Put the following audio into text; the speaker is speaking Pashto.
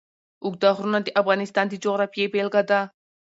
اوږده غرونه د افغانستان د جغرافیې بېلګه ده.